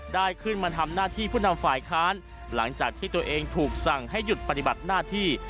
ได้ขึ้นมาทำหน้าที่ผู้นำฝ่ายค้านหลังจากที่ตัวเองถูกสั่งให้หยุดปฏิบัติหน้าที่